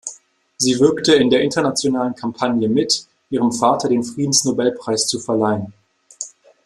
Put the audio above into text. Sie wirkte in der internationalen Kampagne mit, ihrem Vater den Friedensnobelpreis zu verleihen.